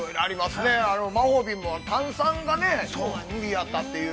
◆魔法瓶も炭酸がね、無理やったという。